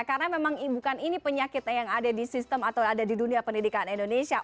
karena memang bukan ini penyakitnya yang ada di sistem atau ada di dunia pendidikan indonesia